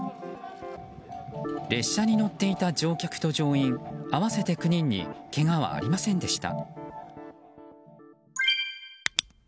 列車に乗っていた乗客と乗員合わせて９人にけがはありませんでした。